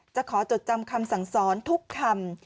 ขอจดจำคำสั่งสอนทุกคำ